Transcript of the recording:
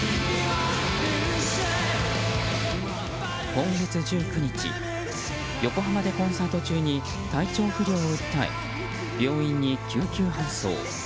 今月１９日、横浜でコンサート中に体調不良を訴え病院に救急搬送。